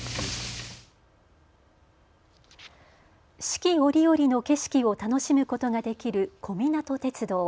四季折々の景色を楽しむことができる小湊鐵道。